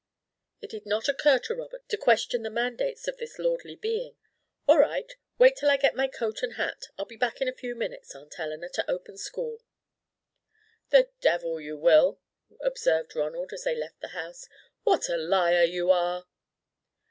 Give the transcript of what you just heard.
It did not occur to Robert to question the mandates of this lordly being. "All right, wait till I get my coat and hat. I'll be back in a few minutes, Aunt Eleanor, to open school." "The devil you will," observed Ronald, as they left the house. "What a liar you are!"